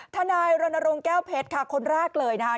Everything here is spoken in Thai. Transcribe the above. ทนายรณรงค์แก้วเพชรค่ะคนแรกเลยนะคะ